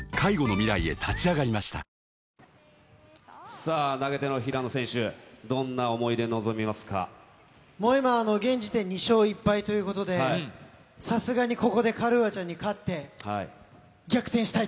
さあ、投げ手の平野選手、もう今、現時点で２勝１敗ということで、さすがにここでカルーアちゃんに勝って、逆転したい